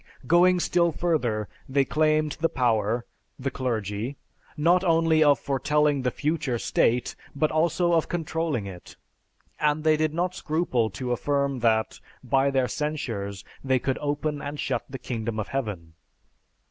Going still further, they claimed the power (the clergy) not only of foretelling the future state, but also of controlling it; and they did not scruple to affirm that, by their censures, they could open and shut the Kingdom of Heaven.